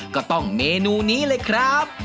ก็ต้องเมนูนี้เลยครับ